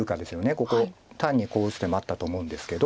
ここ単にこう打つ手もあったと思うんですけど。